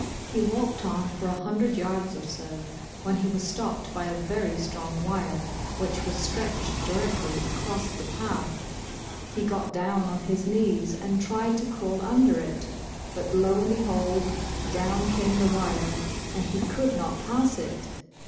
He walked on for a hundred \ ards or so. when he 12 Bosh Bosh Oil. was stopped b)' a \xry strong wire, which was stretched directly across the path. He got down on his knees and tried to crawl under it, but lo and behold, down came the wire, and he could not pass it!